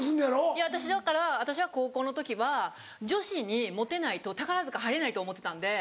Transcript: いや私だから私は高校の時は女子にモテないと宝塚入れないと思ってたんで